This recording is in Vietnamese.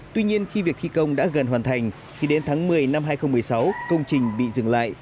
tuy nhiên khi việc thi công đã gần hoàn thành thì đến tháng một mươi năm hai nghìn một mươi sáu công trình bị dừng lại